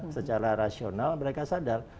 secara rasional mereka sadar